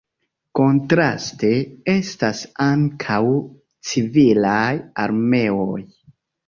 Kontraste estas ankaŭ civilaj armeoj.